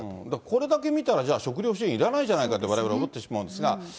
これだけ見たら、じゃあ食糧支援いらないじゃないかってわれわれ思ってしまうんですが。